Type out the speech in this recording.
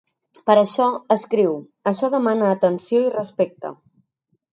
Per això, escriu: Això demana atenció i respecte.